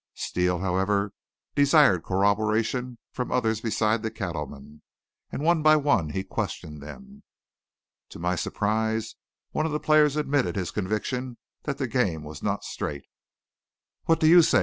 Steele, however, desired corroboration from others beside the cattleman, and one by one he questioned them. To my surprise, one of the players admitted his conviction that the game was not straight. "What do you say?"